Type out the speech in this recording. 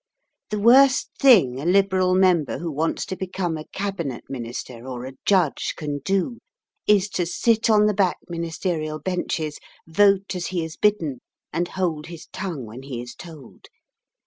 The worst thing a Liberal member who wants to become a Cabinet Minister or a Judge can do is to sit on the back Ministerial benches, vote as he is bidden, and hold his tongue when he is told.